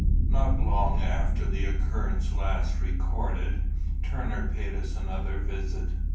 Not long after the occurrence last recorded, Turner paid us another visit.